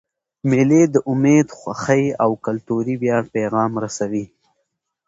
مېلې د امید، خوښۍ، او کلتوري ویاړ پیغام رسوي.